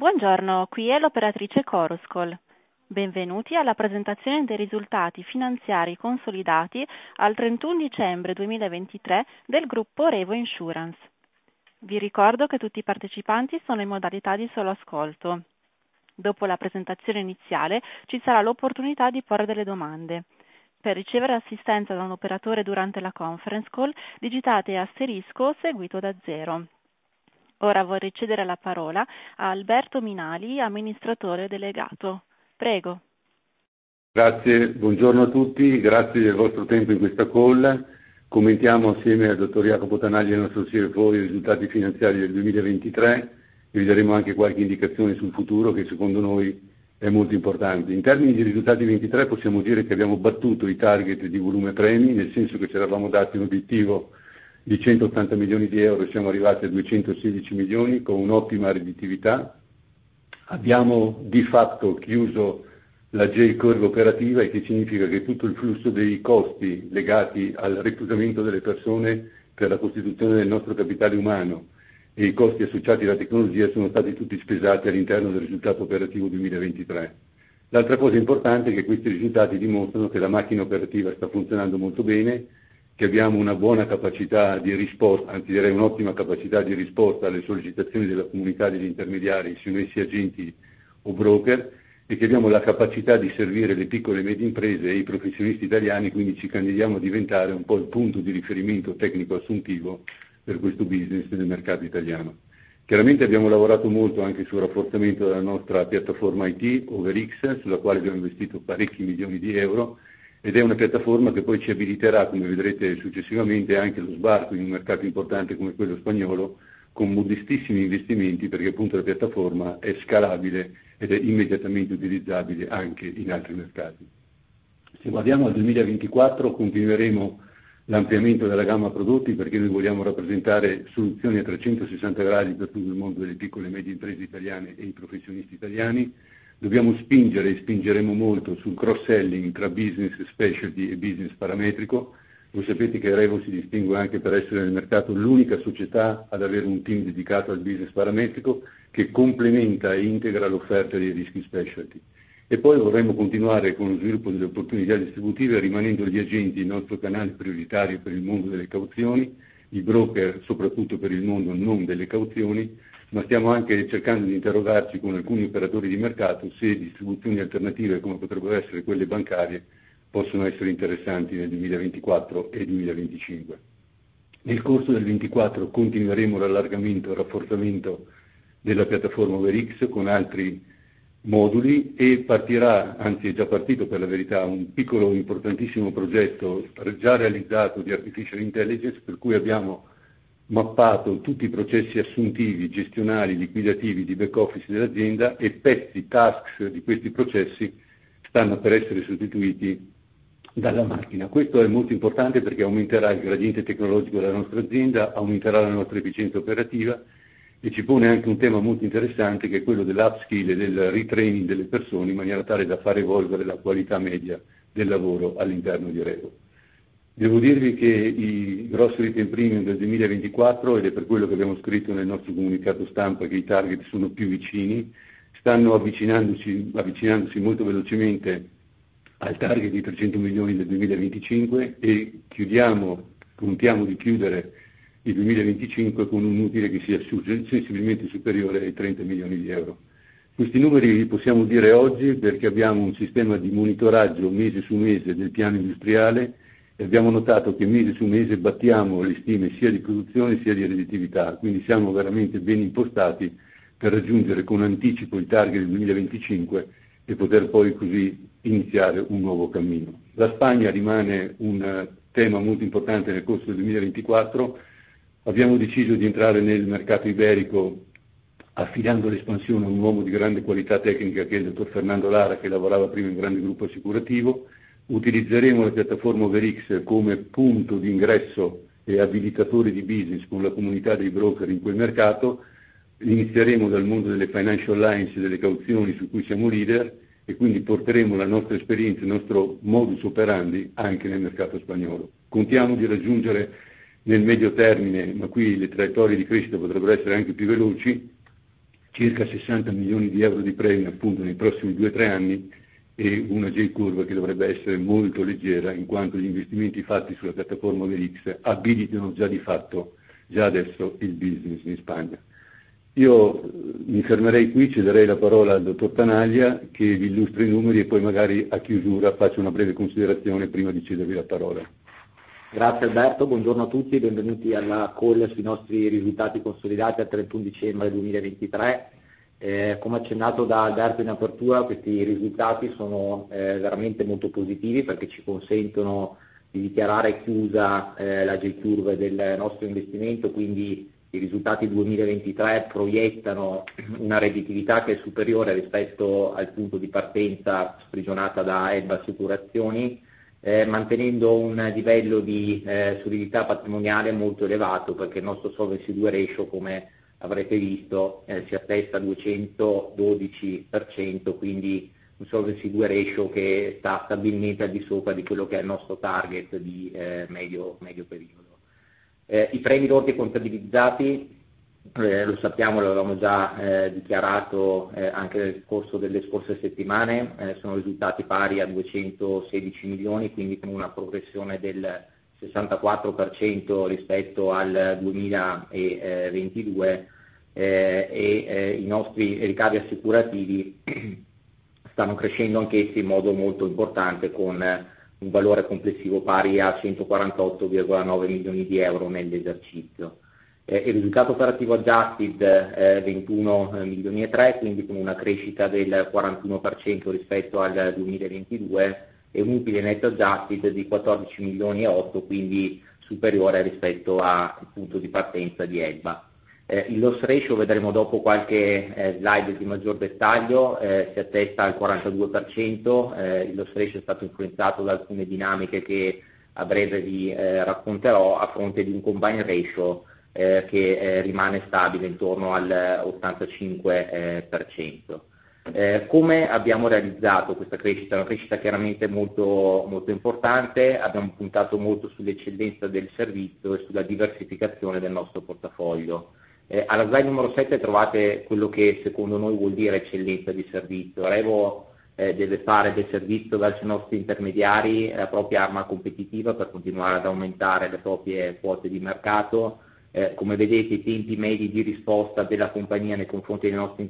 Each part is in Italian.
Buongiorno, qui è l'operatrice ChorusCall. Benvenuti alla presentazione dei risultati finanziari consolidati al 31 dicembre 2023 del gruppo REVO Insurance. Vi ricordo che tutti i partecipanti sono in modalità di solo ascolto. Dopo la presentazione iniziale ci sarà l'opportunità di porre delle domande. Per ricevere assistenza da un operatore durante la Conference Call digitate * seguito da 0. Ora vorrei cedere la parola a Alberto Minali, Amministratore Delegato. Prego. Grazie. Buongiorno a tutti, grazie del vostro tempo in questa call. Commentiamo assieme al Dottor Jacopo Tanagli e al nostro CFO i risultati finanziari del 2023 e vi daremo anche qualche indicazione sul futuro che, secondo noi, è molto importante. In termini di risultati 2023 possiamo dire che abbiamo battuto i target di volume premi, nel senso che ci eravamo dati un obiettivo di €180 milioni e siamo arrivati a €216 milioni con un'ottima redditività. Abbiamo di fatto chiuso la J-curve operativa, il che significa che tutto il flusso dei costi legati al reclutamento delle persone per la costituzione del nostro capitale umano e i costi associati alla tecnologia sono stati tutti spesati all'interno del risultato operativo 2023. L'altra cosa importante è che questi risultati dimostrano che la macchina operativa sta funzionando molto bene, che abbiamo una buona capacità di risposta—anzi, direi un'ottima capacità di risposta—alle sollecitazioni della comunità degli intermediari, siano essi agenti o broker, e che abbiamo la capacità di servire le piccole e medie imprese e i professionisti italiani. Quindi ci candidiamo a diventare un po' il punto di riferimento tecnico assuntivo per questo business nel mercato italiano. Chiaramente abbiamo lavorato molto anche sul rafforzamento della nostra piattaforma IT, OverX, sulla quale abbiamo investito parecchi milioni di euro, ed è una piattaforma che poi ci abiliterà, come vedrete successivamente, anche allo sbarco in un mercato importante come quello spagnolo, con modestissimi investimenti, perché appunto la piattaforma è scalabile ed è immediatamente utilizzabile anche in altri mercati. Se guardiamo al 2024 continueremo l'ampliamento della gamma prodotti, perché noi vogliamo rappresentare soluzioni a 360 gradi per tutto il mondo delle piccole e medie imprese italiane e i professionisti italiani. Dobbiamo spingere e spingeremo molto sul cross-selling tra business specialty e business parametrico. Voi sapete che REVO si distingue anche per essere nel mercato l'unica società ad avere un team dedicato al business parametrico, che complementa e integra l'offerta dei rischi specialty. E poi vorremmo continuare con lo sviluppo delle opportunità distributive, rimanendo gli agenti il nostro canale prioritario per il mondo delle cauzioni, i broker soprattutto per il mondo non delle cauzioni, ma stiamo anche cercando di interrogarci con alcuni operatori di mercato se distribuzioni alternative, come potrebbero essere quelle bancarie, possono essere interessanti nel 2024 e 2025. Nel corso del 2024 continueremo l'allargamento e il rafforzamento della piattaforma OverX con altri moduli, e partirà - anzi, è già partito, per la verità - un piccolo importantissimo progetto già realizzato di artificial intelligence, per cui abbiamo mappato tutti i processi assuntivi, gestionali, liquidativi, di back office dell'azienda, e pezzi, tasks di questi processi, stanno per essere sostituiti dalla macchina. Questo è molto importante perché aumenterà il gradiente tecnologico della nostra azienda, aumenterà la nostra efficienza operativa, e ci pone anche un tema molto interessante che è quello dell'upskill e del retraining delle persone, in maniera tale da far evolvere la qualità media del lavoro all'interno di REVO. Devo dirvi che i grossi ricavi del 2024—ed è per quello che abbiamo scritto nel nostro comunicato stampa che i target sono più vicini—stanno avvicinandoci, avvicinandosi molto velocemente al target di €300 milioni del 2025, e chiudiamo—contiamo di chiudere il 2025—con un utile che sia sensibilmente superiore ai €30 milioni. Questi numeri li possiamo dire oggi perché abbiamo un sistema di monitoraggio mese su mese del piano industriale, e abbiamo notato che mese su mese battiamo le stime sia di produzione sia di redditività. Quindi siamo veramente ben impostati per raggiungere con anticipo i target del 2025 e poter poi così iniziare un nuovo cammino. La Spagna rimane un tema molto importante nel corso del 2024. Abbiamo deciso di entrare nel mercato iberico affidando l'espansione a un uomo di grande qualità tecnica, che è il Dottor Fernando Lara, che lavorava prima in un grande gruppo assicurativo. Utilizzeremo la piattaforma OverX come punto di ingresso e abilitatore di business con la comunità dei broker in quel mercato. Inizieremo dal mondo delle financial lines e delle cauzioni, su cui siamo leader, e quindi porteremo la nostra esperienza, il nostro modus operandi, anche nel mercato spagnolo. Contiamo di raggiungere nel medio termine—ma qui le traiettorie di crescita potrebbero essere anche più veloci—circa €60 milioni di premi, appunto, nei prossimi 2-3 anni, e una J-curve che dovrebbe essere molto leggera, in quanto gli investimenti fatti sulla piattaforma OverX abilitano già di fatto, già adesso, il business in Spagna. Io mi fermerei qui. Cederei la parola al dottor Tanaglia, che vi illustri i numeri, e poi magari a chiusura faccio una breve considerazione prima di cedervi la parola. Grazie Alberto. Buongiorno a tutti e benvenuti alla call sui nostri risultati consolidati al 31 dicembre 2023. Come accennato da Alberto in apertura, questi risultati sono veramente molto positivi, perché ci consentono di dichiarare chiusa la J-curve del nostro investimento. Quindi i risultati 2023 proiettano una redditività che è superiore rispetto al punto di partenza sprigionata da EBA Assicurazioni, mantenendo un livello di solidità patrimoniale molto elevato, perché il nostro solvency two ratio, come avrete visto, si attesta al 212%. Quindi un solvency two ratio che sta stabilmente al di sopra di quello che è il nostro target di medio-medio periodo. I premi lordi contabilizzati, lo sappiamo, lo avevamo già dichiarato anche nel corso delle scorse settimane, sono risultati pari a €216 milioni, quindi con una progressione del 64% rispetto al 2022. I nostri ricavi assicurativi stanno crescendo anch'essi in modo molto importante, con un valore complessivo pari a €148,9 milioni nell'esercizio. Il risultato operativo adjusted, €21,3 milioni, quindi con una crescita del 41% rispetto al 2022, e un utile netto adjusted di €14,8 milioni, quindi superiore rispetto al punto di partenza di EBA. Il loss ratio—vedremo dopo qualche slide di maggior dettaglio—si attesta al 42%. Il loss ratio è stato influenzato da alcune dinamiche che a breve vi racconterò, a fronte di un combine ratio che rimane stabile intorno all'85%. Come abbiamo realizzato questa crescita? Una crescita chiaramente molto, molto importante. Abbiamo puntato molto sull'eccellenza del servizio e sulla diversificazione del nostro portafoglio. Alla slide numero 7 trovate quello che, secondo noi, vuol dire eccellenza di servizio. REVO deve fare del servizio verso i nostri intermediari la propria arma competitiva per continuare ad aumentare le proprie quote di mercato. Come vedete, i tempi medi di risposta della compagnia nei confronti dei nostri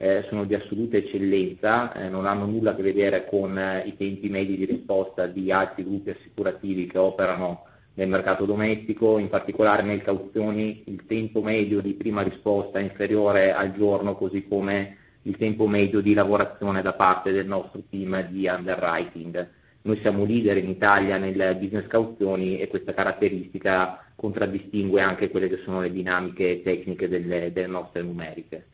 intermediari sono di assoluta eccellenza, non hanno nulla a che vedere con i tempi medi di risposta di altri gruppi assicurativi che operano nel mercato domestico. In particolare, nelle cauzioni, il tempo medio di prima risposta è inferiore al giorno, così come il tempo medio di lavorazione da parte del nostro team di underwriting. Noi siamo leader in Italia nel business cauzioni, e questa caratteristica contraddistingue anche quelle che sono le dinamiche tecniche delle nostre numeriche.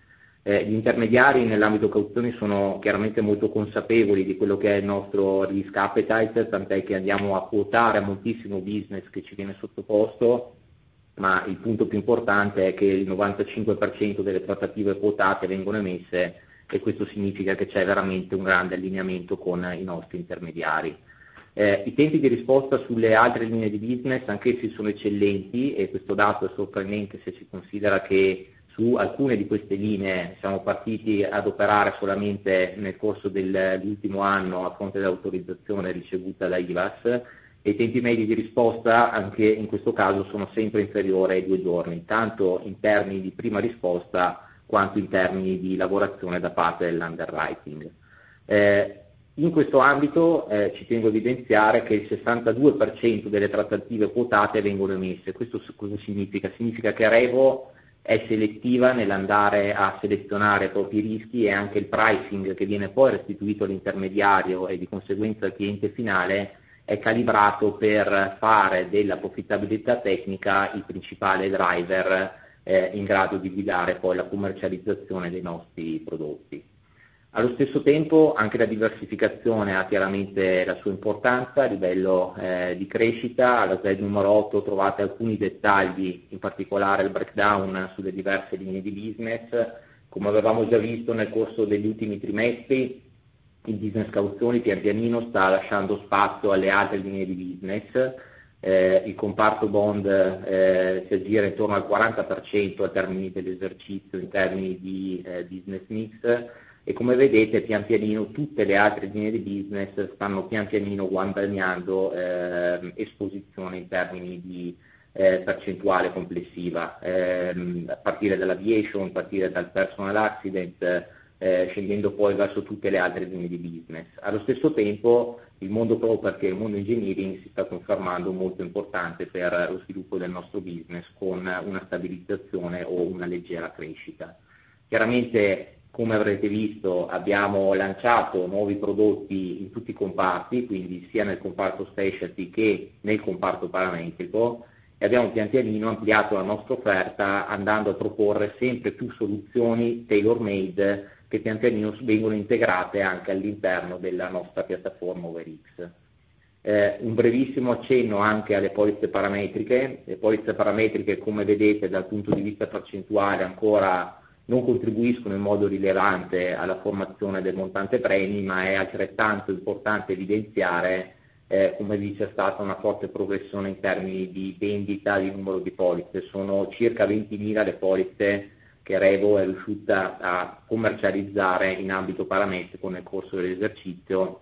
Gli intermediari nell'ambito cauzioni sono chiaramente molto consapevoli di quello che è il nostro risk appetite, tant'è che andiamo a quotare moltissimo il business che ci viene sottoposto, ma il punto più importante è che il 95% delle trattative quotate vengono emesse, e questo significa che c'è veramente un grande allineamento con i nostri intermediari. I tempi di risposta sulle altre linee di business anch'essi sono eccellenti, e questo dato è sorprendente se si considera che su alcune di queste linee siamo partiti ad operare solamente nel corso dell'ultimo anno a fronte dell'autorizzazione ricevuta da IVASS, e i tempi medi di risposta, anche in questo caso, sono sempre inferiori ai due giorni, tanto in termini di prima risposta quanto in termini di lavorazione da parte dell'underwriting. In questo ambito, ci tengo a evidenziare che il 62% delle trattative quotate vengono emesse. Questo cosa significa? Significa che REVO è selettiva nell'andare a selezionare i propri rischi, e anche il pricing che viene poi restituito all'intermediario e, di conseguenza, al cliente finale è calibrato per fare dell'approfittabilità tecnica il principale driver, in grado di guidare poi la commercializzazione dei nostri prodotti. Allo stesso tempo, anche la diversificazione ha chiaramente la sua importanza a livello di crescita. Alla slide numero 8 trovate alcuni dettagli, in particolare il breakdown sulle diverse linee di business. Come avevamo già visto nel corso degli ultimi trimestri, il business cauzioni pian pianino sta lasciando spazio alle altre linee di business. Il comparto bond si aggira intorno al 40% a termini dell'esercizio, in termini di business mix. E come vedete, pian pianino tutte le altre linee di business stanno pian pianino guadagnando esposizione in termini di percentuale complessiva, a partire dall'aviation, a partire dal personal accident, scendendo poi verso tutte le altre linee di business. Allo stesso tempo, il mondo property e il mondo engineering si sta confermando molto importante per lo sviluppo del nostro business, con una stabilizzazione o una leggera crescita. Chiaramente, come avrete visto, abbiamo lanciato nuovi prodotti in tutti i comparti, quindi sia nel comparto specialty che nel comparto parametrico, e abbiamo pian pianino ampliato la nostra offerta andando a proporre sempre più soluzioni tailor-made che pian pianino vengono integrate anche all'interno della nostra piattaforma OverX. Un brevissimo accenno anche alle polizze parametriche. Le polizze parametriche, come vedete, dal punto di vista percentuale ancora non contribuiscono in modo rilevante alla formazione del montante premi, ma è altrettanto importante evidenziare come vi è stata una forte progressione in termini di vendita di numero di polizze. Sono circa 20.000 le polizze che REVO è riuscita a commercializzare in ambito parametrico nel corso dell'esercizio,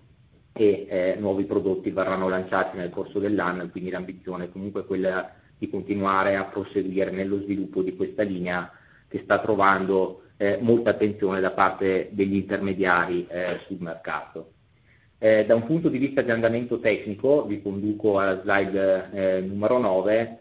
e nuovi prodotti verranno lanciati nel corso dell'anno. L'ambizione è comunque quella di continuare a proseguire nello sviluppo di questa linea, che sta trovando molta attenzione da parte degli intermediari sul mercato. Da un punto di vista di andamento tecnico, vi conduco alla slide numero 9.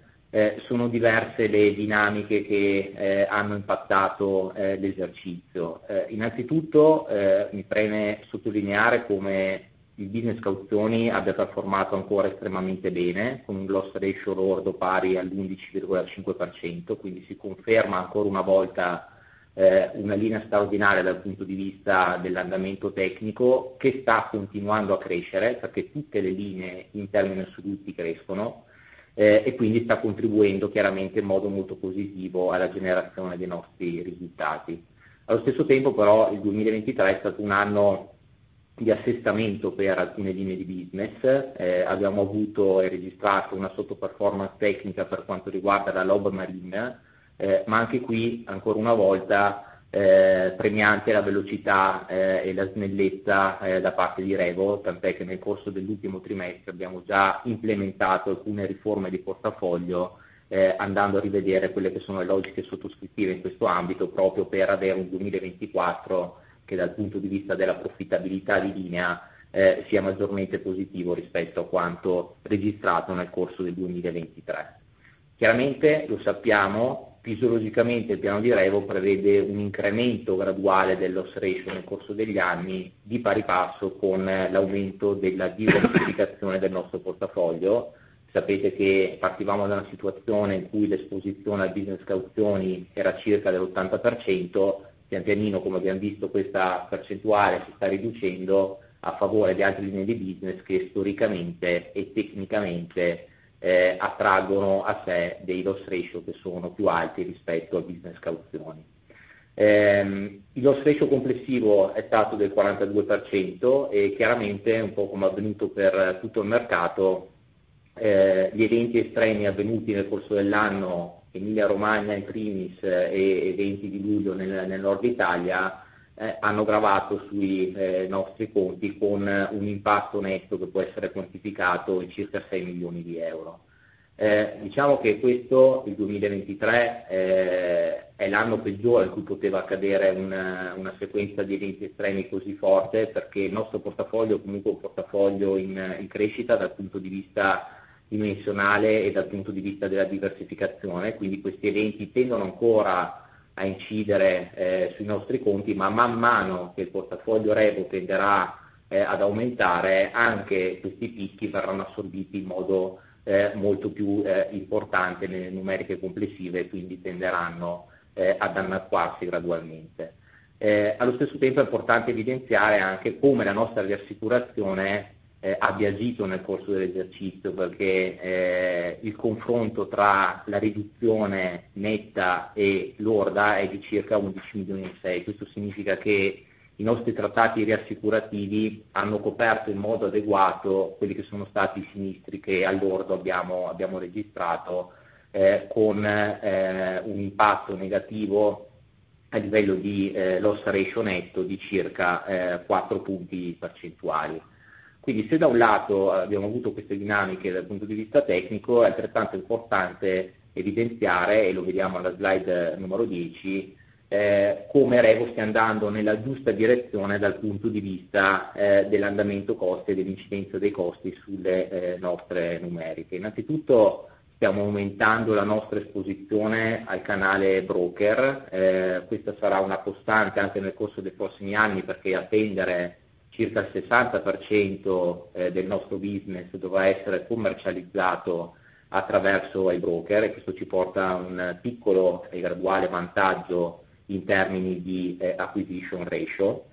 Sono diverse le dinamiche che hanno impattato l'esercizio. Innanzitutto, mi preme sottolineare come il business cauzioni abbia performato ancora estremamente bene, con un loss ratio lordo pari all'11,5%. Quindi si conferma ancora una volta una linea straordinaria dal punto di vista dell'andamento tecnico, che sta continuando a crescere, perché tutte le linee in termini assoluti crescono, e quindi sta contribuendo chiaramente in modo molto positivo alla generazione dei nostri risultati. Allo stesso tempo, però, il 2023 è stato un anno di assestamento per alcune linee di business. Abbiamo avuto e registrato una sotto-performance tecnica per quanto riguarda la LOB Marine, ma anche qui, ancora una volta, premiante la velocità e la snellezza da parte di REVO. Tant'è che nel corso dell'ultimo trimestre abbiamo già implementato alcune riforme di portafoglio, andando a rivedere quelle che sono le logiche sottoscrittive in questo ambito, proprio per avere un 2024 che, dal punto di vista della profittabilità di linea, sia maggiormente positivo rispetto a quanto registrato nel corso del 2023. Chiaramente, lo sappiamo, fisiologicamente il piano di REVO prevede un incremento graduale del loss ratio nel corso degli anni, di pari passo con l'aumento della diversificazione del nostro portafoglio. Sapete che partivamo da una situazione in cui l'esposizione al business cauzioni era circa dell'80%. Pian pianino, come abbiamo visto, questa percentuale si sta riducendo a favore di altre linee di business che storicamente e tecnicamente attraggono a sé dei loss ratio che sono più alti rispetto al business cauzioni. Il loss ratio complessivo è stato del 42% e, chiaramente, un po' come è avvenuto per tutto il mercato, gli eventi estremi avvenuti nel corso dell'anno, Emilia-Romagna in primis e eventi di luglio nel nord Italia, hanno gravato sui nostri conti con un impatto netto che può essere quantificato in circa €6 milioni. Diciamo che questo, il 2023, è l'anno peggiore in cui poteva accadere una sequenza di eventi estremi così forte, perché il nostro portafoglio è comunque un portafoglio in crescita dal punto di vista dimensionale e dal punto di vista della diversificazione. Quindi questi eventi tendono ancora a incidere sui nostri conti, ma man mano che il portafoglio REVO tenderà ad aumentare, anche questi picchi verranno assorbiti in modo molto più importante nelle numeriche complessive e quindi tenderanno ad annacquarsi gradualmente. Allo stesso tempo è importante evidenziare anche come la nostra assicurazione abbia agito nel corso dell'esercizio, perché il confronto tra la riduzione netta e lorda è di circa €11 milioni e €6 milioni. Questo significa che i nostri trattati riassicurativi hanno coperto in modo adeguato quelli che sono stati i sinistri che al lordo abbiamo registrato, con un impatto negativo a livello di loss ratio netto di circa 4%. Quindi, se da un lato abbiamo avuto queste dinamiche dal punto di vista tecnico, è altrettanto importante evidenziare—e lo vediamo alla slide numero 10—come REVO stia andando nella giusta direzione dal punto di vista dell'andamento costi e dell'incidenza dei costi sulle nostre numeriche. Innanzitutto, stiamo aumentando la nostra esposizione al canale broker. Questa sarà una costante anche nel corso dei prossimi anni, perché attendiamo circa il 60% del nostro business dovrà essere commercializzato attraverso i broker, e questo ci porta a un piccolo e graduale vantaggio in termini di acquisition ratio.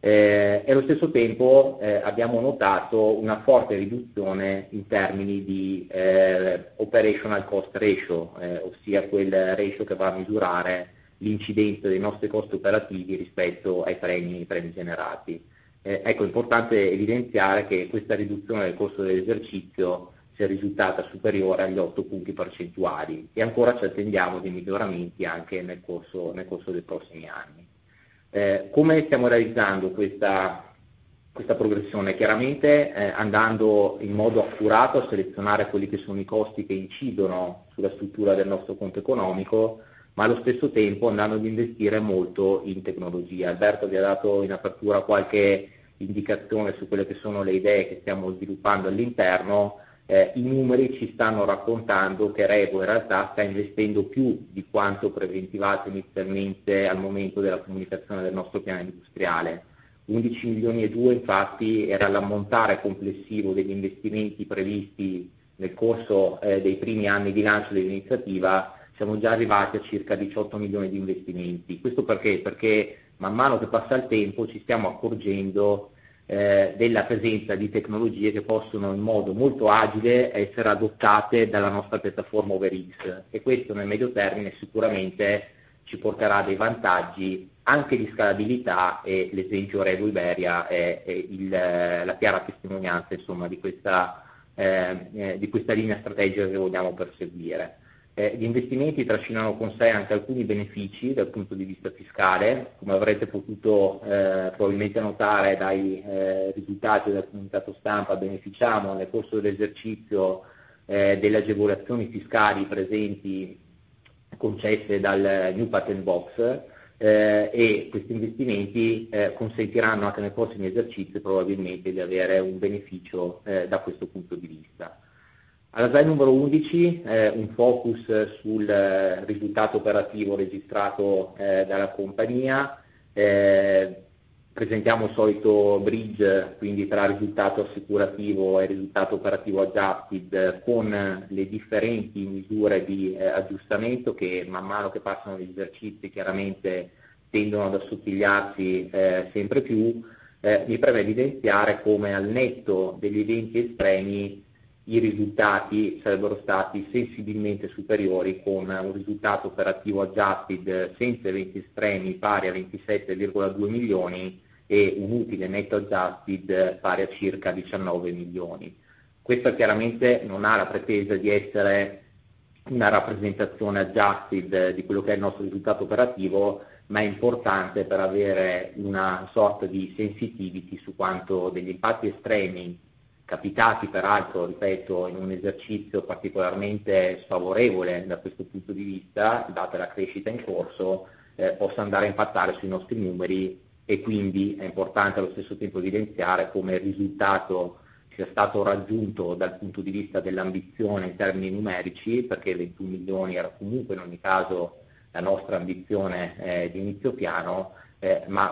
Allo stesso tempo, abbiamo notato una forte riduzione in termini di operational cost ratio, ossia quel ratio che va a misurare l'incidenza dei nostri costi operativi rispetto ai premi generati. Ecco, è importante evidenziare che questa riduzione nel corso dell'esercizio sia risultata superiore agli 8 punti percentuali, e ancora ci attendiamo dei miglioramenti anche nel corso dei prossimi anni. Come stiamo realizzando questa progressione? Chiaramente, andando in modo accurato a selezionare quelli che sono i costi che incidono sulla struttura del nostro conto economico, ma allo stesso tempo andando ad investire molto in tecnologia. Alberto vi ha dato in apertura qualche indicazione su quelle che sono le idee che stiamo sviluppando all'interno. I numeri ci stanno raccontando che REVO in realtà sta investendo più di quanto preventivato inizialmente al momento della comunicazione del nostro piano industriale. €11,2 milioni, infatti, era l'ammontare complessivo degli investimenti previsti nel corso dei primi anni di lancio dell'iniziativa. Siamo già arrivati a circa €18 milioni di investimenti. Questo perché? Perché man mano che passa il tempo ci stiamo accorgendo della presenza di tecnologie che possono, in modo molto agile, essere adottate dalla nostra piattaforma OverX, e questo nel medio termine sicuramente ci porterà dei vantaggi anche di scalabilità. L'esempio REVO Iberia è la chiara testimonianza di questa linea strategica che vogliamo perseguire. Gli investimenti trascinano con sé anche alcuni benefici dal punto di vista fiscale. Come avrete potuto probabilmente notare dai risultati del comunicato stampa, beneficiamo nel corso dell'esercizio delle agevolazioni fiscali presenti concesse dal New Patent Box. Questi investimenti consentiranno anche nei prossimi esercizi probabilmente di avere un beneficio da questo punto di vista. Alla slide numero 11, un focus sul risultato operativo registrato dalla compagnia. Presentiamo il solito bridge, quindi tra risultato assicurativo e risultato operativo adjusted, con le differenti misure di aggiustamento, che man mano che passano gli esercizi chiaramente tendono ad assottigliarsi sempre più. Mi preme evidenziare come al netto degli eventi estremi i risultati sarebbero stati sensibilmente superiori, con un risultato operativo adjusted senza eventi estremi pari a €27,2 milioni e un utile netto adjusted pari a circa €19 milioni. Questo chiaramente non ha la pretesa di essere una rappresentazione adjusted di quello che è il nostro risultato operativo, ma è importante per avere una sorta di sensitivity su quanto degli impatti estremi capitati, peraltro, ripeto, in un esercizio particolarmente sfavorevole da questo punto di vista, data la crescita in corso, possa andare a impattare sui nostri numeri. È quindi importante allo stesso tempo evidenziare come il risultato sia stato raggiunto dal punto di vista dell'ambizione in termini numerici, perché €21 milioni era comunque in ogni caso la nostra ambizione di inizio piano, ma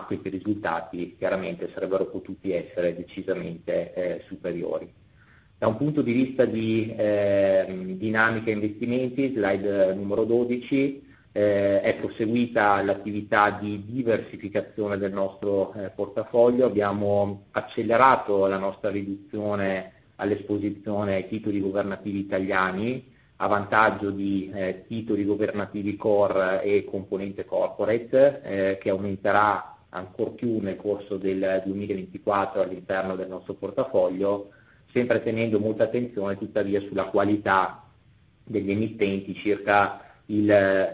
questi risultati chiaramente sarebbero potuti essere decisamente superiori. Da un punto di vista di dinamica investimenti, slide numero 12, è proseguita l'attività di diversificazione del nostro portafoglio. Abbiamo accelerato la nostra riduzione all'esposizione ai titoli governativi italiani, a vantaggio di titoli governativi core e componente corporate, che aumenterà ancor più nel corso del 2024 all'interno del nostro portafoglio, sempre tenendo molta attenzione tuttavia sulla qualità degli emittenti. Circa il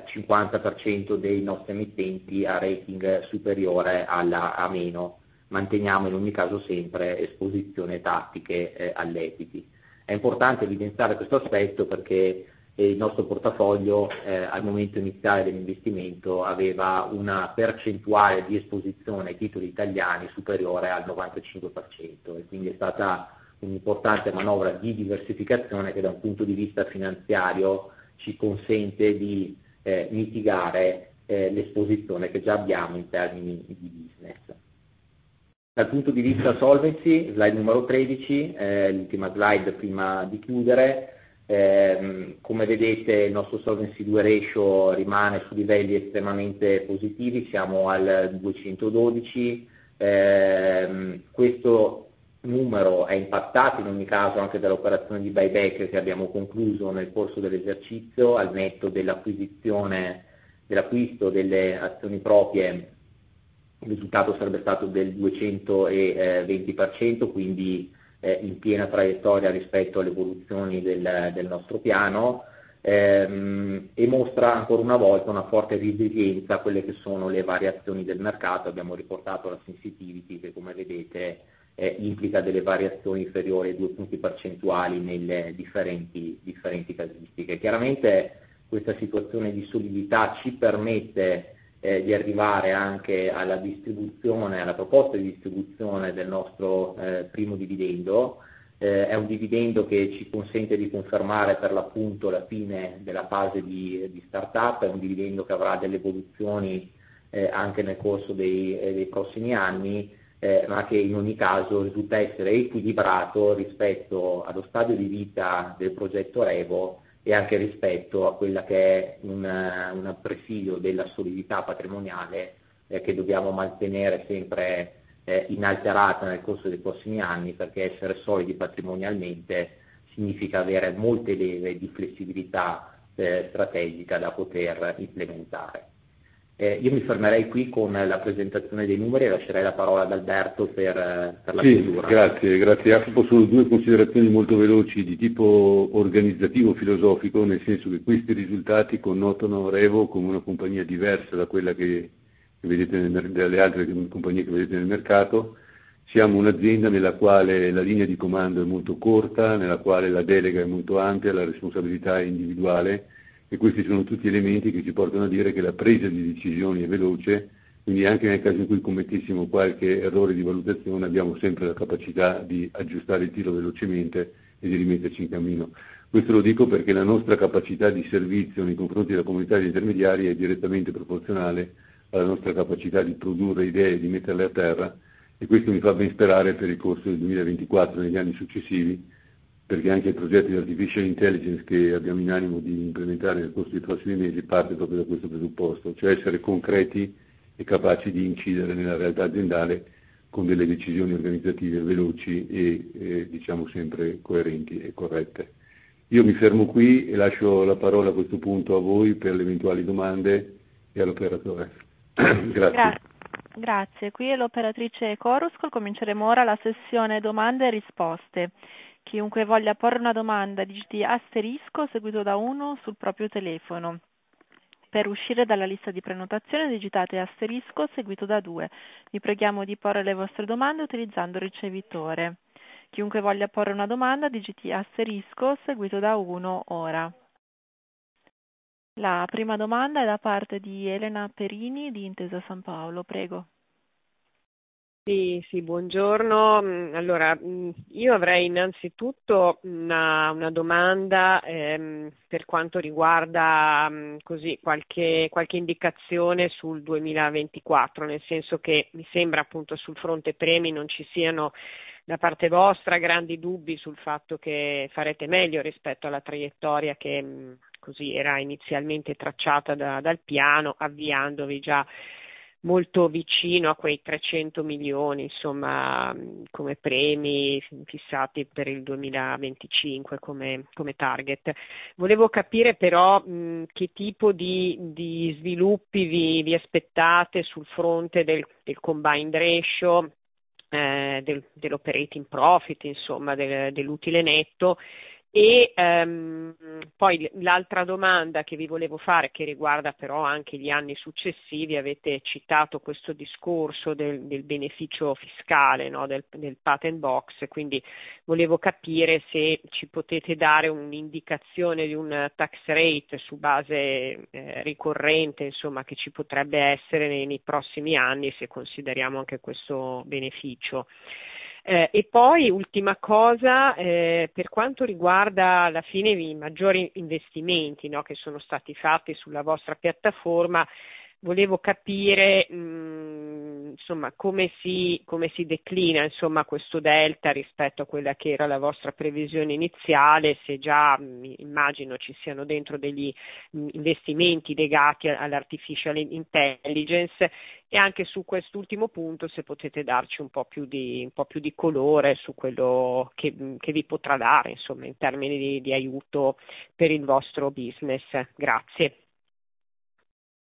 50% dei nostri emittenti ha rating superiore alla A meno. Manteniamo in ogni caso sempre esposizione tattiche all'equity. È importante evidenziare questo aspetto perché il nostro portafoglio, al momento iniziale dell'investimento, aveva una percentuale di esposizione ai titoli italiani superiore al 95%, e quindi è stata un'importante manovra di diversificazione che, da un punto di vista finanziario, ci consente di mitigare l'esposizione che già abbiamo in termini di business. Dal punto di vista solvency, slide numero 13, l'ultima slide prima di chiudere. Come vedete, il nostro solvency two ratio rimane su livelli estremamente positivi. Siamo al 212%. Questo numero è impattato in ogni caso anche dall'operazione di buyback che abbiamo concluso nel corso dell'esercizio. Al netto dell'acquisizione, dell'acquisto delle azioni proprie, il risultato sarebbe stato del 220%, quindi in piena traiettoria rispetto alle evoluzioni del nostro piano. E mostra ancora una volta una forte resilienza a quelle che sono le variazioni del mercato. Abbiamo riportato la sensitivity che, come vedete, implica delle variazioni inferiori ai due punti percentuali nelle differenti casistiche. Chiaramente, questa situazione di solidità ci permette di arrivare anche alla distribuzione, alla proposta di distribuzione del nostro primo dividendo. È un dividendo che ci consente di confermare, per l'appunto, la fine della fase di startup. È un dividendo che avrà delle evoluzioni anche nel corso dei prossimi anni, ma che in ogni caso risulta essere equilibrato rispetto allo stadio di vita del progetto REVO e anche rispetto a quella che è un presidio della solidità patrimoniale, che dobbiamo mantenere sempre inalterata nel corso dei prossimi anni, perché essere solidi patrimonialmente significa avere molte leve di flessibilità strategica da poter implementare. Io mi fermerei qui con la presentazione dei numeri e lascerei la parola ad Alberto per la chiusura. Sì, grazie. Grazie. Anche solo due considerazioni molto veloci di tipo organizzativo-filosofico, nel senso che questi risultati connotano REVO come una compagnia diversa da quella che vedete nel—dalle altre compagnie che vedete nel mercato. Siamo un'azienda nella quale la linea di comando è molto corta, nella quale la delega è molto ampia, la responsabilità è individuale, e questi sono tutti elementi che ci portano a dire che la presa di decisioni è veloce. Quindi, anche nel caso in cui commettessimo qualche errore di valutazione, abbiamo sempre la capacità di aggiustare il tiro velocemente e di rimetterci in cammino. Questo lo dico perché la nostra capacità di servizio nei confronti della comunità di intermediari è direttamente proporzionale alla nostra capacità di produrre idee e di metterle a terra, e questo mi fa ben sperare per il corso del 2024 e negli anni successivi, perché anche il progetto di artificial intelligence che abbiamo in animo di implementare nel corso dei prossimi mesi parte proprio da questo presupposto, cioè essere concreti e capaci di incidere nella realtà aziendale con delle decisioni organizzative veloci e diciamo sempre coerenti e corrette. Io mi fermo qui e lascio la parola a questo punto a voi per le eventuali domande e all'operatore. Grazie. Grazie. Qui è l'operatrice Choruscoll. Cominceremo ora la sessione domande e risposte. Chiunque voglia porre una domanda, digiti * seguito da 1 sul proprio telefono. Per uscire dalla lista di prenotazione, digitate * seguito da 2. Vi preghiamo di porre le vostre domande utilizzando il ricevitore. Chiunque voglia porre una domanda, digiti * seguito da 1 ora. La prima domanda è da parte di Elena Perini di Intesa Sanpaolo. Prego. Sì, sì, buongiorno. Allora, io avrei innanzitutto una domanda per quanto riguarda qualche indicazione sul 2024, nel senso che mi sembra, appunto, sul fronte premi non ci siano da parte vostra grandi dubbi sul fatto che farete meglio rispetto alla traiettoria che era inizialmente tracciata dal piano, avviandovi già molto vicino a quei €300 milioni come premi fissati per il 2025 come target. Volevo capire però che tipo di sviluppi vi aspettate sul fronte del combined ratio, dell'operating profit, dell'utile netto. E poi l'altra domanda che vi volevo fare, che riguarda però anche gli anni successivi, avete citato questo discorso del beneficio fiscale del Patent Box, quindi volevo capire se ci potete dare un'indicazione di un tax rate su base ricorrente che ci potrebbe essere nei prossimi anni, se consideriamo anche questo beneficio. E poi, ultima cosa, per quanto riguarda alla fine i maggiori investimenti che sono stati fatti sulla vostra piattaforma, volevo capire come si declina questo delta rispetto a quella che era la vostra previsione iniziale, se già, immagino, ci siano dentro degli investimenti legati all'artificial intelligence, e anche su quest'ultimo punto, se potete darci un po' più di colore su quello che vi potrà dare in termini di aiuto per il vostro business. Grazie.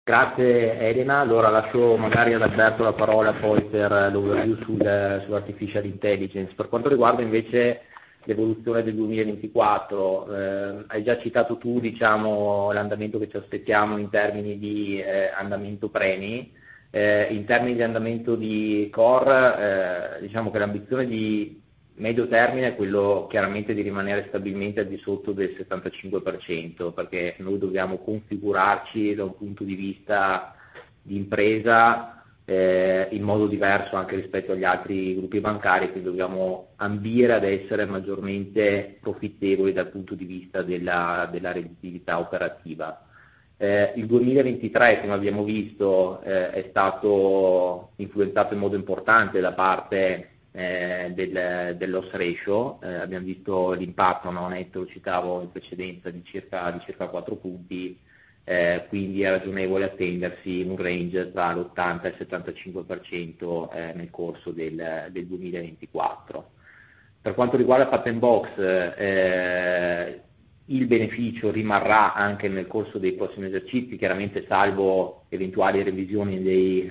Grazie, Elena. Allora lascio magari ad Alberto la parola poi per l'overview sull'artificial intelligence. Per quanto riguarda invece l'evoluzione del 2024, hai già citato tu, diciamo, l'andamento che ci aspettiamo in termini di andamento premi. In termini di andamento di core, diciamo che l'ambizione di medio termine è quello, chiaramente, di rimanere stabilmente al di sotto del 75%, perché noi dobbiamo configurarci da un punto di vista di impresa, in modo diverso anche rispetto agli altri gruppi bancari, quindi dobbiamo ambire ad essere maggiormente profittevoli dal punto di vista della redditività operativa. Il 2023, come abbiamo visto, è stato influenzato in modo importante da parte del loss ratio. Abbiamo visto l'impatto, no, netto. Lo citavo in precedenza di circa quattro punti. Quindi è ragionevole attendersi un range tra l'80% e il 75%, nel corso del 2024. Per quanto riguarda Patent Box, il beneficio rimarrà anche nel corso dei prossimi esercizi, chiaramente salvo eventuali revisioni dei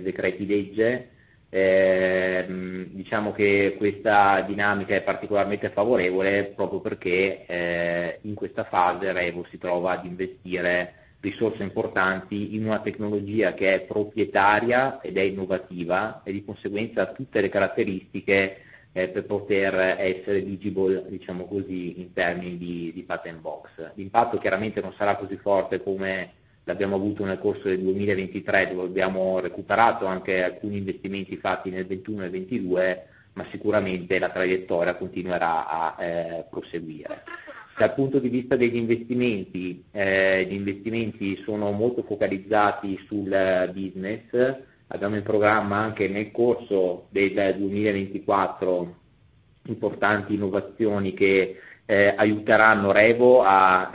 decreti legge. Diciamo che questa dinamica è particolarmente favorevole proprio perché, in questa fase REVO si trova ad investire risorse importanti in una tecnologia che è proprietaria ed è innovativa e, di conseguenza, ha tutte le caratteristiche per poter essere eligible, diciamo così, in termini di Patent Box. L'impatto, chiaramente, non sarà così forte come l'abbiamo avuto nel corso del 2023, dove abbiamo recuperato anche alcuni investimenti fatti nel 2021 e 2022, ma sicuramente la traiettoria continuerà a proseguire. Dal punto di vista degli investimenti, gli investimenti sono molto focalizzati sul business. Abbiamo in programma anche nel corso del 2024 importanti innovazioni che aiuteranno REVO a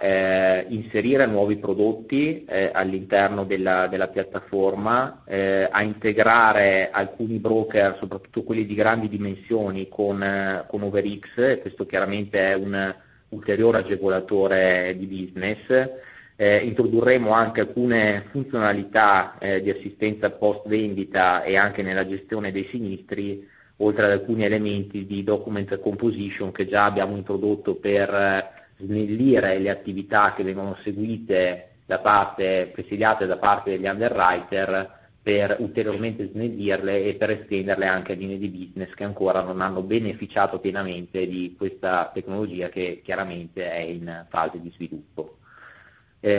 inserire nuovi prodotti all'interno della piattaforma, a integrare alcuni broker, soprattutto quelli di grandi dimensioni, con OverX, e questo chiaramente è un ulteriore agevolatore di business. Introdurremo anche alcune funzionalità di assistenza post-vendita e anche nella gestione dei sinistri, oltre ad alcuni elementi di document composition che già abbiamo introdotto per snellire le attività che vengono seguite da parte—presidiate da parte degli underwriter, per ulteriormente snellirle e per estenderle anche a linee di business che ancora non hanno beneficiato pienamente di questa tecnologia che, chiaramente, è in fase di sviluppo.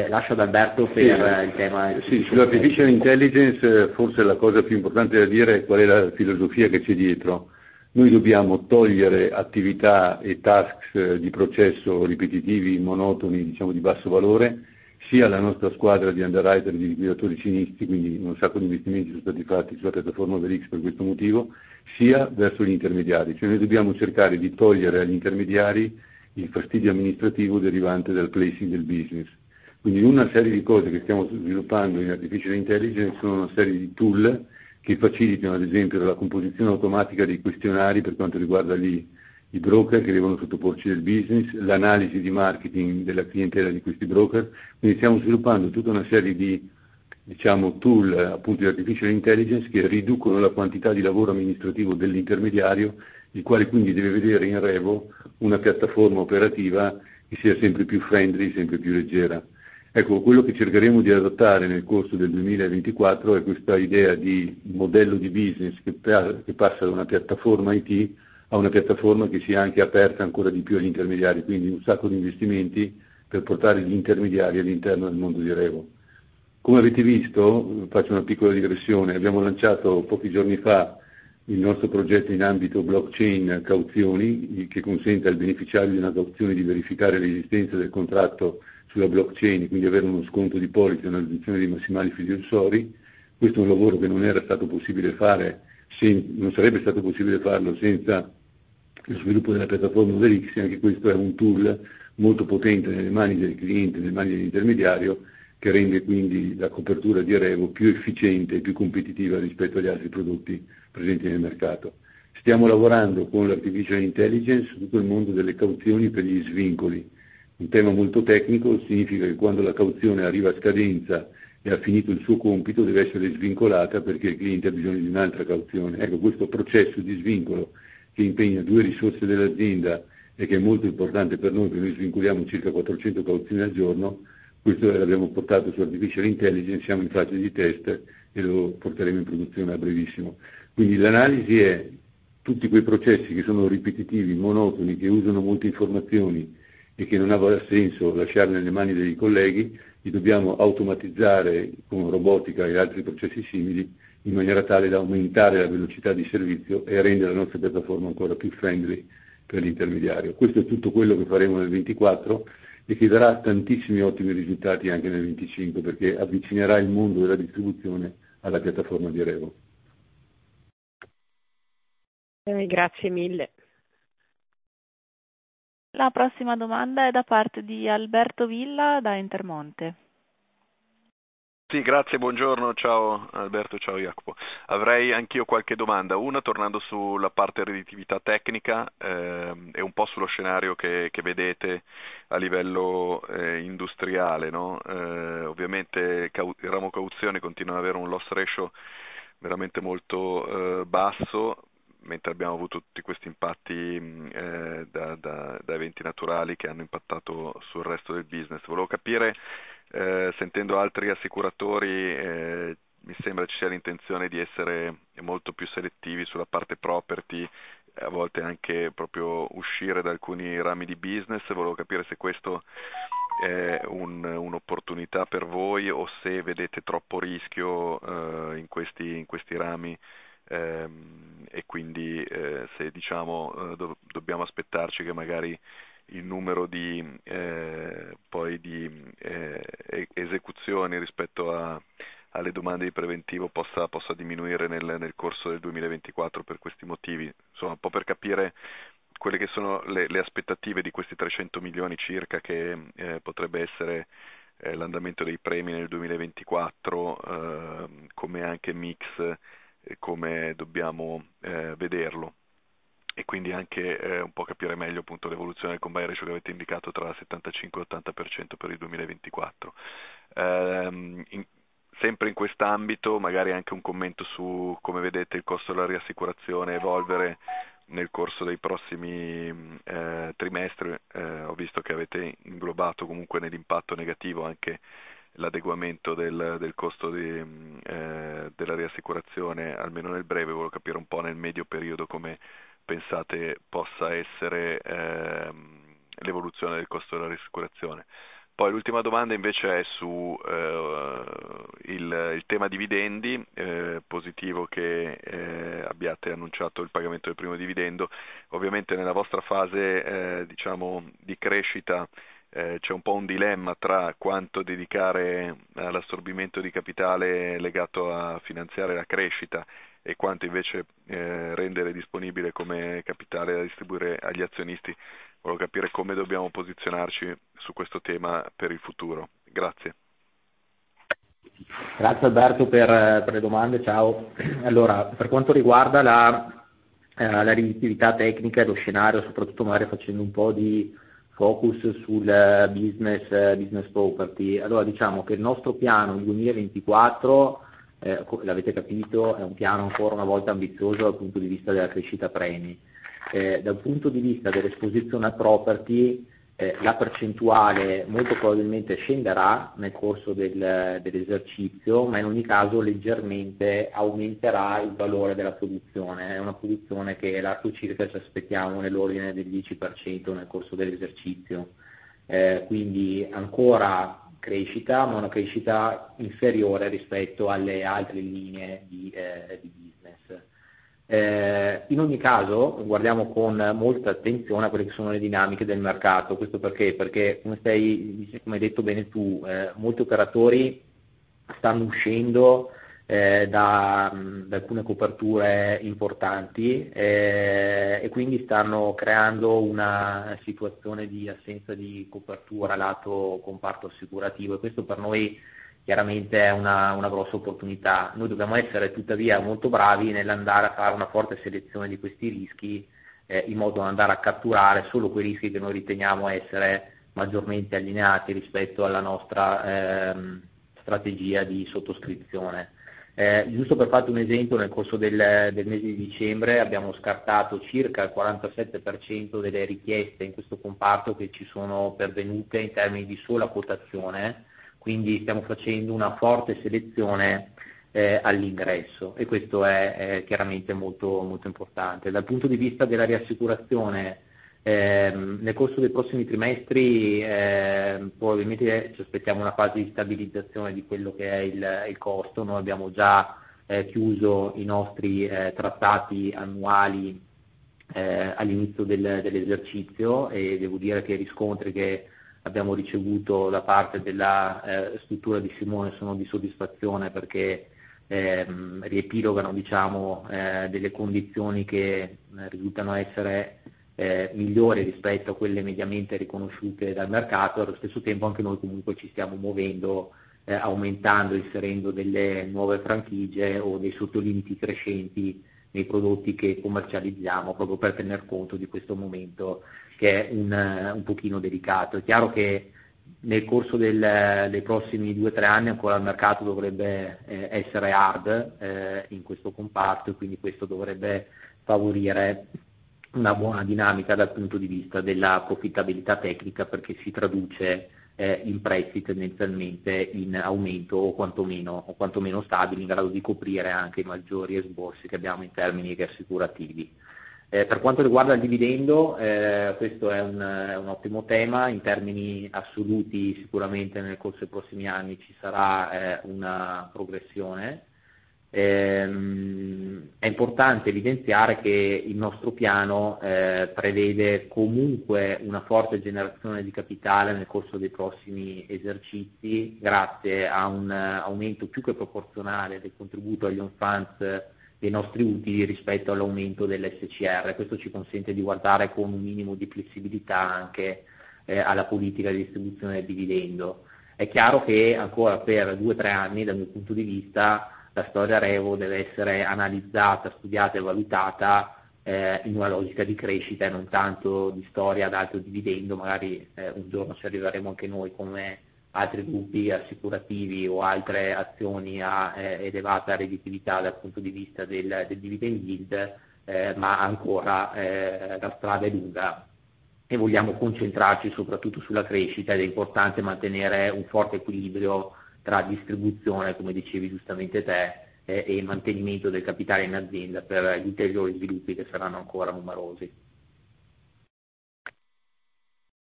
Lascio ad Alberto per il tema. Sì, sull'artificial intelligence, forse la cosa più importante da dire è qual è la filosofia che c'è dietro. Noi dobbiamo togliere attività e tasks di processo ripetitivi, monotoni, diciamo, di basso valore, sia alla nostra squadra di underwriter e di liquidatori sinistri, quindi un sacco di investimenti sono stati fatti sulla piattaforma OverX per questo motivo, sia verso gli intermediari. Cioè, noi dobbiamo cercare di togliere agli intermediari il fastidio amministrativo derivante dal placing del business. Quindi, una serie di cose che stiamo sviluppando in artificial intelligence sono una serie di tool che facilitano, ad esempio, la composizione automatica dei questionari per quanto riguarda i broker che devono sottoporci del business, l'analisi di marketing della clientela di questi broker. Quindi stiamo sviluppando tutta una serie di, diciamo, tool, appunto, di artificial intelligence che riducono la quantità di lavoro amministrativo dell'intermediario, il quale quindi deve vedere in REVO una piattaforma operativa che sia sempre più friendly, sempre più leggera. Quello che cercheremo di adottare nel corso del 2024 è questa idea di modello di business che passa da una piattaforma IT a una piattaforma che sia anche aperta ancora di più agli intermediari, quindi un sacco di investimenti per portare gli intermediari all'interno del mondo di REVO. Come avete visto, faccio una piccola digressione: abbiamo lanciato pochi giorni fa il nostro progetto in ambito blockchain cauzioni, che consente al beneficiario di una cauzione di verificare l'esistenza del contratto sulla blockchain, quindi avere uno sconto di polizza e una riduzione dei massimali fiduciari. Questo è un lavoro che non era stato possibile fare senza—non sarebbe stato possibile farlo senza lo sviluppo della piattaforma OverX, e anche questo è un tool molto potente nelle mani del cliente, nelle mani dell'intermediario, che rende quindi la copertura di REVO più efficiente e più competitiva rispetto agli altri prodotti presenti nel mercato. Stiamo lavorando con l'artificial intelligence su tutto il mondo delle cauzioni per gli svincoli. Un tema molto tecnico significa che quando la cauzione arriva a scadenza e ha finito il suo compito, deve essere svincolata perché il cliente ha bisogno di un'altra cauzione. Questo processo di svincolo che impegna due risorse dell'azienda e che è molto importante per noi, perché noi svincoliamo circa 400 cauzioni al giorno, questo l'abbiamo portato sull'artificial intelligence, siamo in fase di test e lo porteremo in produzione a brevissimo. Quindi l'analisi è: tutti quei processi che sono ripetitivi, monotoni, che usano molte informazioni e che non aveva senso lasciare nelle mani dei colleghi, li dobbiamo automatizzare con robotica e altri processi simili, in maniera tale da aumentare la velocità di servizio e rendere la nostra piattaforma ancora più friendly per l'intermediario. Questo è tutto quello che faremo nel 2024 e che darà tantissimi ottimi risultati anche nel 2025, perché avvicinerà il mondo della distribuzione alla piattaforma di REVO. Bene, grazie mille. La prossima domanda è da parte di Alberto Villa da Intermonte. Sì, grazie, buongiorno. Ciao Alberto, ciao Jacopo. Avrei anch'io qualche domanda. Una, tornando sulla parte redditività tecnica e un po' sullo scenario che vedete a livello industriale, no? Ovviamente il ramo cauzioni continua ad avere un loss ratio veramente molto basso, mentre abbiamo avuto tutti questi impatti da eventi naturali che hanno impattato sul resto del business. Volevo capire, sentendo altri assicuratori, mi sembra ci sia l'intenzione di essere molto più selettivi sulla parte property, a volte anche proprio uscire da alcuni rami di business. Volevo capire se questo è un'opportunità per voi o se vedete troppo rischio in questi rami, e quindi se, diciamo, dobbiamo aspettarci che magari il numero di esecuzioni rispetto alle domande di preventivo possa diminuire nel corso del 2024 per questi motivi. Insomma, un po' per capire quelle che sono le aspettative di questi 300 milioni circa che potrebbe essere l'andamento dei premi nel 2024, come anche mix e come dobbiamo vederlo. E quindi anche un po' capire meglio, appunto, l'evoluzione del combined ratio che avete indicato tra il 75% e l'80% per il 2024. In sempre in quest'ambito, magari anche un commento su come vedete il costo della riassicurazione evolvere nel corso dei prossimi trimestri. Ho visto che avete inglobato comunque nell'impatto negativo anche l'adeguamento del costo della riassicurazione, almeno nel breve. Volevo capire un po' nel medio periodo come pensate possa essere l'evoluzione del costo della riassicurazione. Poi l'ultima domanda, invece, è sul tema dividendi, positivo che abbiate annunciato il pagamento del primo dividendo. Ovviamente, nella vostra fase diciamo di crescita, c'è un po' un dilemma tra quanto dedicare all'assorbimento di capitale legato a finanziare la crescita e quanto invece rendere disponibile come capitale da distribuire agli azionisti. Volevo capire come dobbiamo posizionarci su questo tema per il futuro. Grazie. Grazie Alberto per le domande. Ciao. Allora, per quanto riguarda la redditività tecnica e lo scenario, soprattutto magari facendo un po' di focus sul business property, allora, diciamo che il nostro piano 2024 l'avete capito, è un piano ancora una volta ambizioso dal punto di vista della crescita premi. Dal punto di vista dell'exposure on property, la percentuale molto probabilmente scenderà nel corso dell'esercizio, ma in ogni caso leggermente aumenterà il valore della produzione. È una produzione che è lassù circa, ci aspettiamo, nell'ordine del 10% nel corso dell'esercizio. Quindi ancora crescita, ma una crescita inferiore rispetto alle altre linee di business. In ogni caso, guardiamo con molta attenzione a quelle che sono le dinamiche del mercato. Questo perché? Perché, come stai—come hai detto bene tu—molti operatori stanno uscendo da alcune coperture importanti e quindi stanno creando una situazione di assenza di copertura lato comparto assicurativo, e questo per noi chiaramente è una grossa opportunità. Noi dobbiamo essere, tuttavia, molto bravi nell'andare a fare una forte selezione di questi rischi in modo da andare a catturare solo quei rischi che noi riteniamo essere maggiormente allineati rispetto alla nostra strategia di sottoscrizione. Giusto per farti un esempio, nel corso del mese di dicembre abbiamo scartato circa il 47% delle richieste in questo comparto che ci sono pervenute in termini di sola quotazione, quindi stiamo facendo una forte selezione all'ingresso, e questo è chiaramente molto importante. Dal punto di vista della riassicurazione, nel corso dei prossimi trimestri probabilmente ci aspettiamo una fase di stabilizzazione di quello che è il costo. Noi abbiamo già chiuso i nostri trattati annuali all'inizio dell'esercizio, e devo dire che i riscontri che abbiamo ricevuto da parte della struttura di Simone sono di soddisfazione, perché riepilogano delle condizioni che risultano essere migliori rispetto a quelle mediamente riconosciute dal mercato, e allo stesso tempo anche noi comunque ci stiamo muovendo aumentando, inserendo delle nuove franchigie o dei sottolimiti crescenti nei prodotti che commercializziamo, proprio per tener conto di questo momento che è un pochino delicato. È chiaro che nel corso dei prossimi due, tre anni ancora il mercato dovrebbe essere hard in questo comparto, e quindi questo dovrebbe favorire una buona dinamica dal punto di vista della profittabilità tecnica, perché si traduce in prezzi tendenzialmente in aumento o quantomeno stabili, in grado di coprire anche i maggiori esborsi che abbiamo in termini riassicurativi. Per quanto riguarda il dividendo, questo è un ottimo tema. In termini assoluti, sicuramente nel corso dei prossimi anni ci sarà una progressione. È importante evidenziare che il nostro piano prevede comunque una forte generazione di capitale nel corso dei prossimi esercizi, grazie a un aumento più che proporzionale del contributo agli own funds dei nostri utili rispetto all'aumento dell'SCR. Questo ci consente di guardare con un minimo di flessibilità anche alla politica di distribuzione del dividendo. È chiaro che ancora per due, tre anni, dal mio punto di vista, la storia REVO deve essere analizzata, studiata e valutata in una logica di crescita e non tanto di storia ad alto dividendo. Magari un giorno ci arriveremo anche noi, come altri gruppi assicurativi o altre azioni a elevata redditività dal punto di vista del dividend yield, ma ancora la strada è lunga e vogliamo concentrarci soprattutto sulla crescita. È importante mantenere un forte equilibrio tra distribuzione, come dicevi giustamente te, e mantenimento del capitale in azienda per gli ulteriori sviluppi che saranno ancora numerosi.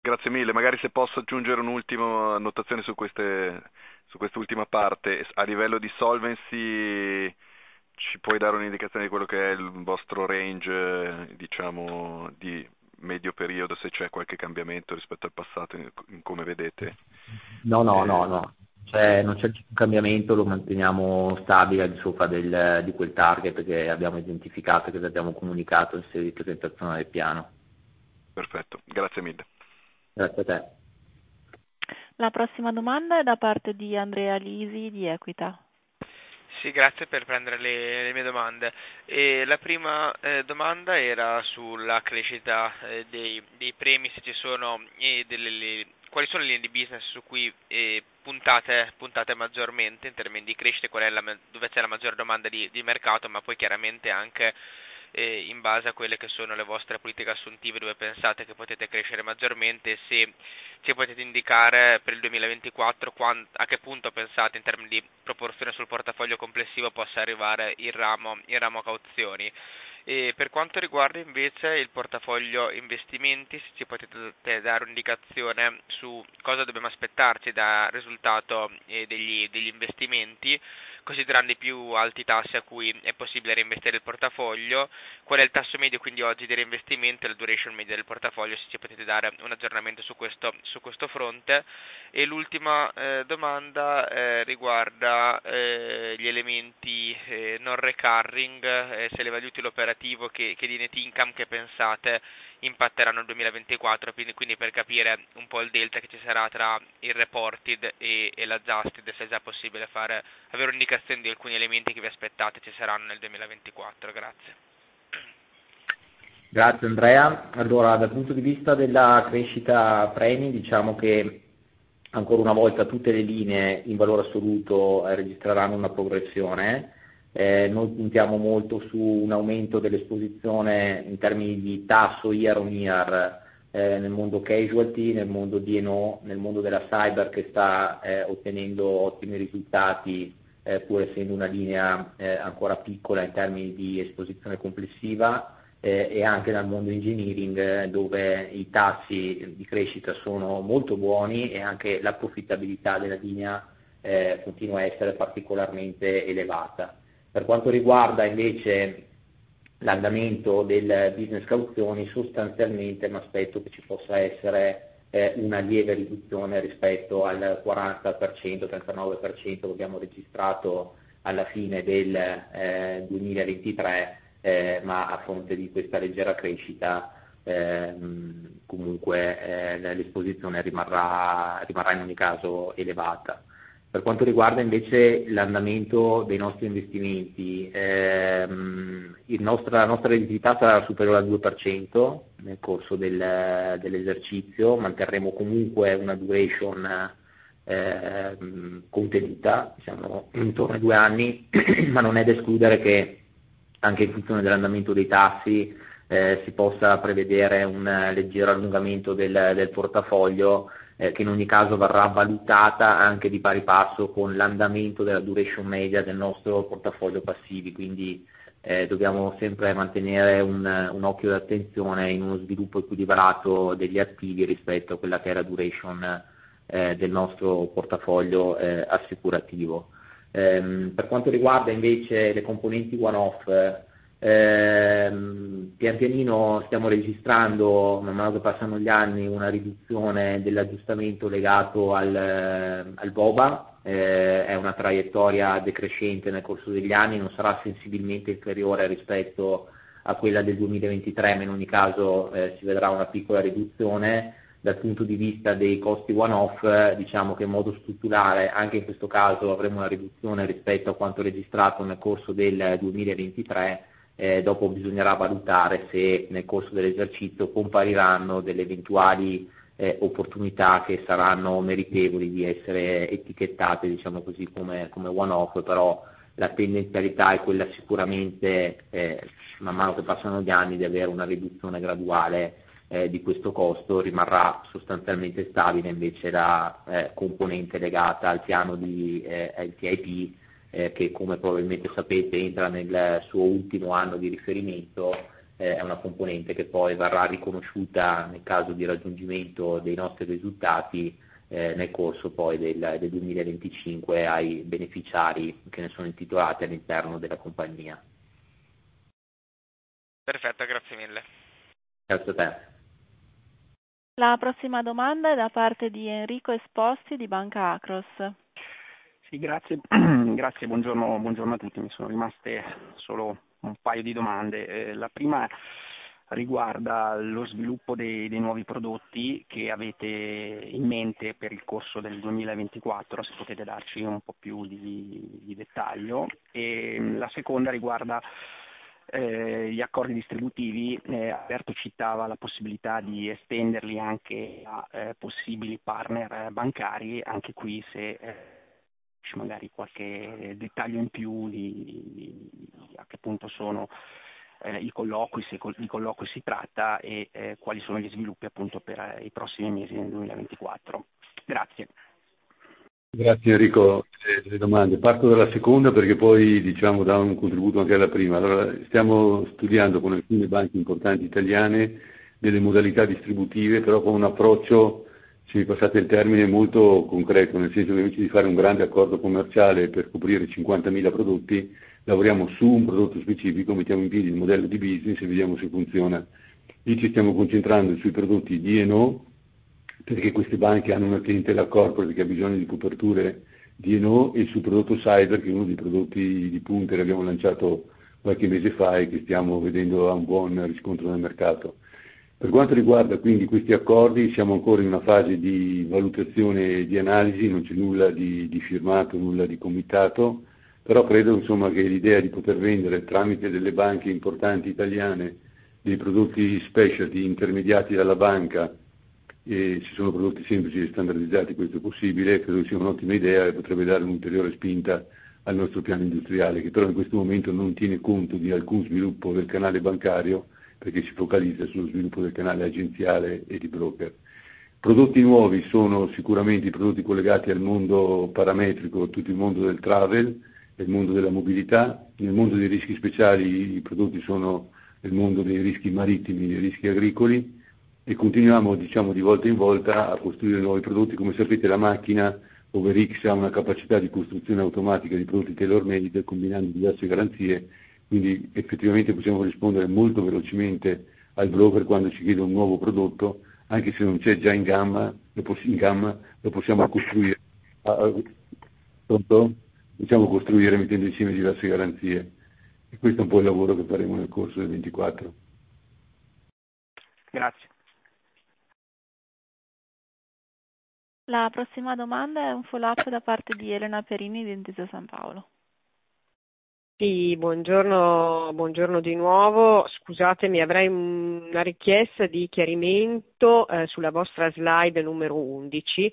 Grazie mille. Magari, se posso aggiungere un'ultima annotazione su questa—su quest'ultima parte: a livello di solvency, ci puoi dare un'indicazione di quello che è il vostro range, diciamo, di medio periodo, se c'è qualche cambiamento rispetto al passato in—in come vedete? No, no, no, no. Cioè, non c'è nessun cambiamento, lo manteniamo stabile al di sopra del target che abbiamo identificato e che vi abbiamo comunicato in sede di presentazione del piano. Perfetto. Grazie mille. Grazie a te. La prossima domanda è da parte di Andrea Lisi di Equita. Sì, grazie per aver preso le mie domande. La prima domanda era sulla crescita dei premi, se ci sono, e quali sono le linee di business su cui puntate maggiormente in termini di crescita, qual è dove c'è la maggiore domanda di mercato, ma poi chiaramente anche in base a quelle che sono le vostre politiche assuntive dove pensate che potete crescere maggiormente e se potete indicare per il 2024 a che punto pensate in termini di proporzione sul portafoglio complessivo possa arrivare il ramo cauzioni. Per quanto riguarda invece il portafoglio investimenti, se ci potete dare un'indicazione su cosa dobbiamo aspettarci da risultato degli investimenti, considerando i più alti tassi a cui è possibile reinvestire il portafoglio, qual è il tasso medio quindi oggi di reinvestimento, la duration media del portafoglio, se ci potete dare un aggiornamento su questo fronte. E l'ultima domanda riguarda gli elementi non recurring se le value util operative che di net income che pensate impatteranno il 2024, quindi per capire un po' il delta che ci sarà tra il reported e l'adjusted, se è già possibile fare avere un'indicazione di alcuni elementi che vi aspettate ci saranno nel 2024. Grazie. Grazie Andrea. Allora, dal punto di vista della crescita premi, diciamo che ancora una volta tutte le linee in valore assoluto registreranno una progressione. Noi puntiamo molto su un aumento dell'esposizione in termini di tasso year on year nel mondo casualty, nel mondo D&O, nel mondo della cyber che sta ottenendo ottimi risultati pur essendo una linea ancora piccola in termini di esposizione complessiva e anche dal mondo engineering dove i tassi di crescita sono molto buoni e anche la profittabilità della linea continua a essere particolarmente elevata. Per quanto riguarda invece l'andamento del business cauzioni, sostanzialmente mi aspetto che ci possa essere una lieve riduzione rispetto al 40%, 39% che abbiamo registrato alla fine del 2023 ma a fronte di questa leggera crescita comunque l'esposizione rimarrà in ogni caso elevata. Per quanto riguarda invece l'andamento dei nostri investimenti, la nostra redditività sarà superiore al 2% nel corso dell'esercizio, manterremo comunque una duration contenuta, diciamo, intorno ai due anni, ma non è da escludere che anche in funzione dell'andamento dei tassi si possa prevedere un leggero allungamento del portafoglio che in ogni caso verrà valutata anche di pari passo con l'andamento della duration media del nostro portafoglio passivi, quindi dobbiamo sempre mantenere un occhio d'attenzione in uno sviluppo equilibrato degli attivi rispetto a quella che è la duration del nostro portafoglio assicurativo. Per quanto riguarda invece le componenti one-off, piano piano stiamo registrando, man mano che passano gli anni, una riduzione dell'aggiustamento legato al BOBA, è una traiettoria decrescente nel corso degli anni, non sarà sensibilmente inferiore rispetto a quella del 2023, ma in ogni caso si vedrà una piccola riduzione. Dal punto di vista dei costi one-off, diciamo che in modo strutturale anche in questo caso avremo una riduzione rispetto a quanto registrato nel corso del 2023. Dopo bisognerà valutare se nel corso dell'esercizio compariranno delle eventuali opportunità che saranno meritevoli di essere etichettate, diciamo così, come one-off, però la tendenzialità è quella sicuramente man mano che passano gli anni di avere una riduzione graduale di questo costo. Rimarrà sostanzialmente stabile invece la componente legata al piano di ITIP che come probabilmente sapete entra nel suo ultimo anno di riferimento. È una componente che poi verrà riconosciuta nel caso di raggiungimento dei nostri risultati nel corso poi del 2025 ai beneficiari che ne sono intitolati all'interno della compagnia. Perfetto, grazie mille. Grazie a te. La prossima domanda è da parte di Enrico Esposti di Banca Acros. Sì, grazie, grazie, buongiorno, buongiorno a tutti. Mi sono rimaste solo un paio di domande. La prima riguarda lo sviluppo dei nuovi prodotti che avete in mente per il corso del 2024, se potete darci un po' più di dettaglio. La seconda riguarda gli accordi distributivi. Alberto citava la possibilità di estenderli anche a possibili partner bancari, anche qui se c'è magari qualche dettaglio in più di a che punto sono i colloqui, se di colloqui si tratta, e quali sono gli sviluppi appunto per i prossimi mesi del 2024. Grazie. Grazie Enrico delle domande. Parto dalla seconda perché poi, diciamo, dà un contributo anche alla prima. Allora, stiamo studiando con alcune banche importanti italiane delle modalità distributive, però con un approccio, se mi passate il termine, molto concreto, nel senso che invece di fare un grande accordo commerciale per coprire cinquantamila prodotti, lavoriamo su un prodotto specifico, mettiamo in piedi il modello di business e vediamo se funziona. Qui ci stiamo concentrando sui prodotti D&O, perché queste banche hanno una clientela corporate che ha bisogno di coperture D&O, e sul prodotto cyber, che è uno dei prodotti di punta e l'abbiamo lanciato qualche mese fa e che stiamo vedendo ha un buon riscontro nel mercato. Per quanto riguarda quindi questi accordi, siamo ancora in una fase di valutazione e di analisi, non c'è nulla di firmato, nulla di comitato, però credo che l'idea di poter vendere tramite delle banche importanti italiane dei prodotti specialty intermediati dalla banca, e se sono prodotti semplici e standardizzati questo è possibile, credo sia un'ottima idea e potrebbe dare un'ulteriore spinta al nostro piano industriale, che però in questo momento non tiene conto di alcun sviluppo del canale bancario, perché si focalizza sullo sviluppo del canale agenziale e di broker. Prodotti nuovi sono sicuramente i prodotti collegati al mondo parametrico, tutto il mondo del travel, il mondo della mobilità. Nel mondo dei rischi speciali i prodotti sono nel mondo dei rischi marittimi, dei rischi agricoli, e continuiamo di volta in volta a costruire nuovi prodotti. Come sapete, la macchina OverX ha una capacità di costruzione automatica di prodotti tailor-made, combinando diverse garanzie, quindi effettivamente possiamo rispondere molto velocemente al broker quando ci chiede un nuovo prodotto, anche se non c'è già in gamma, lo possiamo costruire. Possiamo costruire mettendo insieme diverse garanzie. E questo è un po' il lavoro che faremo nel corso del 2024. Grazie. La prossima domanda è un follow-up da parte di Elena Perini di Intesa Sanpaolo. Sì, buongiorno, buongiorno di nuovo. Scusatemi, avrei una richiesta di chiarimento sulla vostra slide numero undici,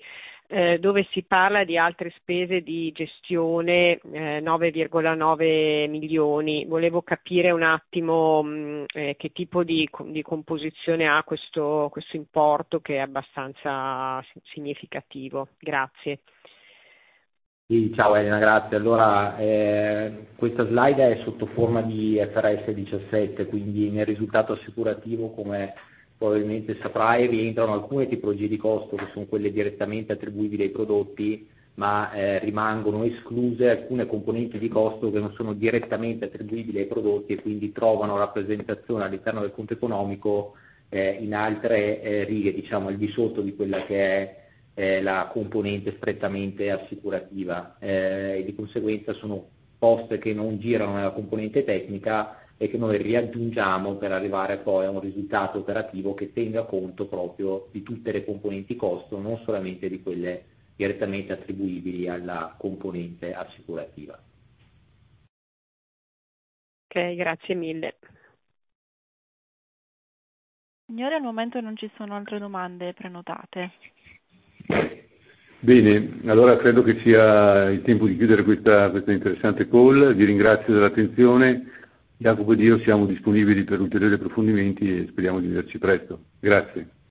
dove si parla di altre spese di gestione €9,9 milioni. Volevo capire un attimo che tipo di composizione ha questo importo che è abbastanza significativo. Grazie. Sì, ciao Elena, grazie. Allora, questa slide è sotto forma di IFRS 17, quindi nel risultato assicurativo, come probabilmente saprai, rientrano alcune tipologie di costo che sono quelle direttamente attribuibili ai prodotti, ma rimangono escluse alcune componenti di costo che non sono direttamente attribuibili ai prodotti e quindi trovano rappresentazione all'interno del conto economico in altre righe, diciamo, al di sotto di quella che è la componente strettamente assicurativa. E di conseguenza sono poste che non girano nella componente tecnica e che noi riaggiungiamo per arrivare poi a un risultato operativo che tenga conto proprio di tutte le componenti costo, non solamente di quelle direttamente attribuibili alla componente assicurativa. Okay, grazie mille. Signori, al momento non ci sono altre domande prenotate. Bene, allora credo che sia il tempo di chiudere questa interessante call. Vi ringrazio dell'attenzione. Jacopo e io siamo disponibili per ulteriori approfondimenti e speriamo di vederci presto. Grazie.